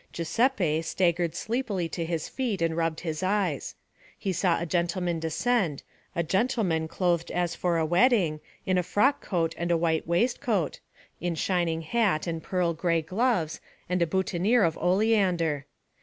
Giuseppe staggered sleepily to his feet and rubbed his eyes. He saw a gentleman descend, a gentleman clothed as for a wedding, in a frock coat and a white waistcoat, in shining hat and pearl grey gloves and a boutonnière of oleander.